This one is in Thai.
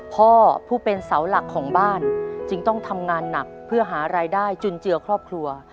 พ่อผู้เป็นเสาหลักของบ้านจึงต้องทำงานหนักเพื่อหารายได้จุนเจือครอบครัว